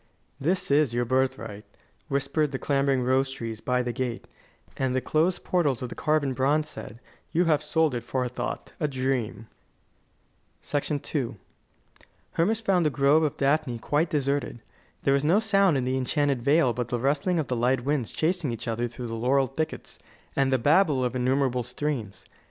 "This is your birthright," whispered the clambering rose trees by the gate; and the closed portals of carven bronze said: "You have sold it for a thought a dream."' II Hermas found the Grove of Daphne quite deserted. There was no sound in the enchanted vale but the rustling of the light winds chasing each other through the laurel thickets, and the babble of innumerable streams.